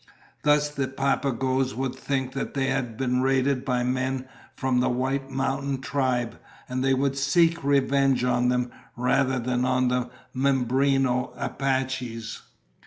Thus the Papagoes would think that they had been raided by men from the White Mountain tribe and they would seek revenge on them, rather than on the Mimbreno Apaches.